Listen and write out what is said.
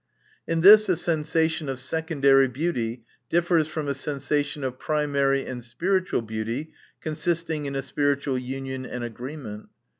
In this a sensation of secondary beauty differs from a sensation of primary and spiritual beauty, consisting in a spiritual union and agreement.